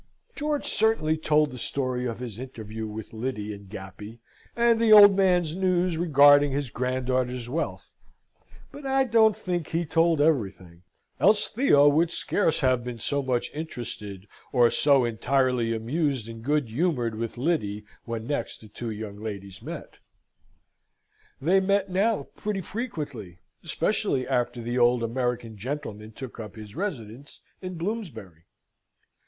George certainly told the story of his interview with Lyddy and Gappy, and the old man's news regarding his granddaughter's wealth; but I don't think he told everything; else Theo would scarce have been so much interested, or so entirely amused and good humoured with Lyddy when next the two young ladies met. They met now pretty frequently, especially after the old American gentleman took up his residence in Bloomsbury.